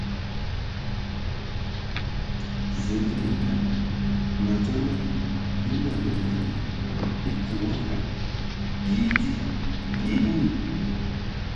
Zǝa nye naa mǝ adzo naa, bii nɔŋ benana, bii kǝ w a afan, bii di, bii nyinŋ!